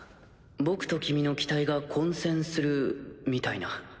僕と君の機体が混線するみたいな。